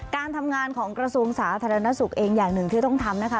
การทำงานของกระทรวงสาธารณสุขเองอย่างหนึ่งที่ต้องทำนะคะ